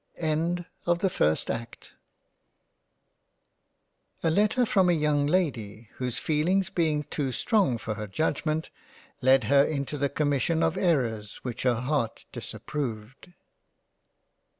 End of the first Act. *35 £ JANE AUSTEN A LETTER from a YOUNG LADY, whose feelings being too strong for her Judgement led her into the commission of Errors which her Heart disapproved.